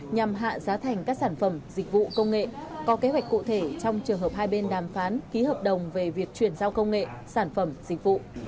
nhằm hạ giá thành các sản phẩm dịch vụ công nghệ có kế hoạch cụ thể trong trường hợp hai bên đàm phán ký hợp đồng về việc chuyển giao công nghệ sản phẩm dịch vụ